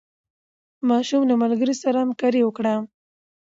ماشوم له ملګرو سره همکاري وکړه